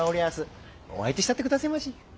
お相手したってくだせまし。